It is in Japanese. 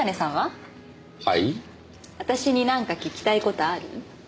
私になんか聞きたい事ある？